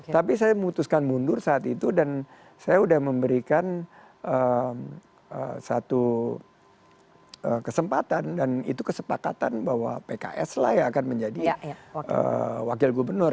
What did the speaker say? tapi saya memutuskan mundur saat itu dan saya sudah memberikan satu kesempatan dan itu kesepakatan bahwa pks lah yang akan menjadi wakil gubernur